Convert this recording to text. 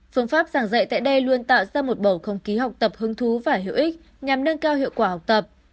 phương pháp giảng dạy tại đây luôn tạo ra một bầu không khí học tập hứng thú và hữu ích nhằm nâng cao hiệu quả học tập